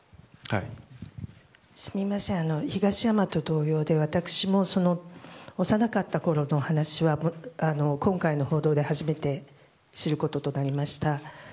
東山さんと同様で私も幼かったころの話は今回の報道で初めて知ることとなりました。